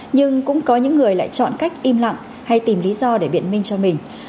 nhưng cũng có những người lại chọn cách im lặng hay tìm lý do để biện minh cho mình